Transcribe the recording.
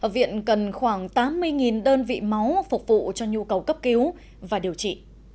viện cần khoảng tám mươi đơn vị máu phục vụ cho nhu cầu cấp cứu và điều trị